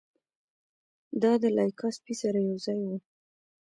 دا د لایکا سپي سره یوځای و.